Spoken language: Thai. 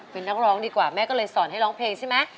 เป็นนักร้องดีกว่าแม่ก็เลยสอนให้ร้องเพลงใช่ไหม